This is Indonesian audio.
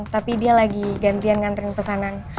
tapi dia lagi gantian ngantri pesanan